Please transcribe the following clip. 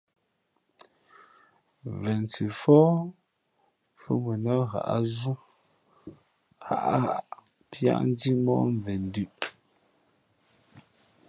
Vensǐ fóh mfhʉ̄ mα nά ghǎʼzú ghaʼghaʼ píá njímóh mvěn ndʉ̄ʼ.